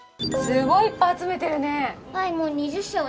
すごいいっぱい集めてるね。